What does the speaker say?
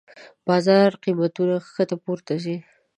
بازار قېمتونه کښته پورته ځي.